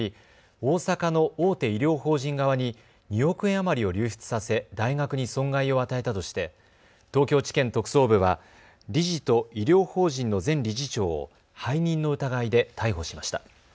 大阪の大手医療法人側に２億円余りを流出させ大学に損害を与えたとして東京地検特捜部は理事と医療法人の前理事長を背任の疑いで逮捕しました。